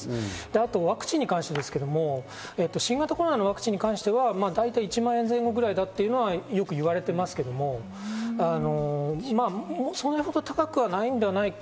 あとはワクチンに関して、新型コロナのワクチンに関しては大体１万円前後ぐらいだというのはよく言われていますけど、それほど高くはないのではないか